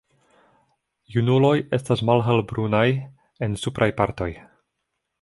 Junuloj estas malhelbrunaj en supraj partoj.